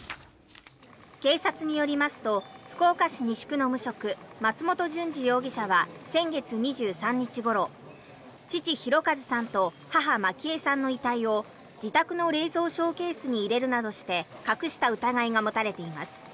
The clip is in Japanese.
警察によりますと福岡市西区の無職松本淳二容疑者は先月２３日ごろ父・博和さんと母・満喜枝さんの遺体を自宅の冷蔵ショーケースに入れるなどして隠した疑いが持たれています。